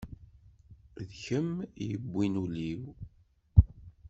D kemm i yiwin ul-iw.